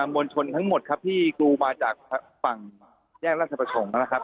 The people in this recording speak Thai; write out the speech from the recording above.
มวลชนทั้งหมดครับที่กรูมาจากฝั่งแยกราชประสงค์นะครับ